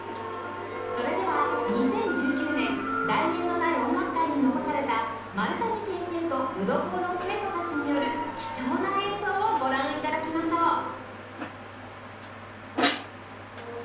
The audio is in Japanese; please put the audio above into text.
それでは２０１９年『題名のない音楽会』に残された丸谷先生と淀工の生徒たちによる貴重な演奏をご覧頂きましょう